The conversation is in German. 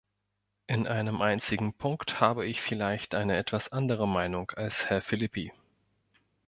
In einem einzigen Punkt habe ich vielleicht eine etwas andere Meinung als Herr Filippi.